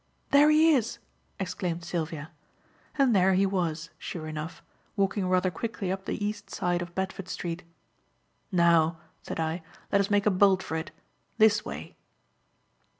"There he is!" exclaimed Sylvia. And there he was, sure enough, walking rather quickly up the east side of Bedford Street. "Now," said I, "let us make a bolt for it. This way."